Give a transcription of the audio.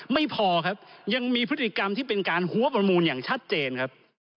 ไม่พอครับยังมีพฤติกรรมที่เป็นการหัวประมูลอย่างชัดเจนครับ